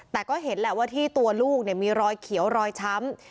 แต่ก็เห็นแหละว่าที่ตัวลูกมีรอยเขียวรอยช้ำ